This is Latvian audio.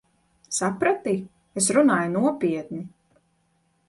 Saprati? Es runāju nopietni.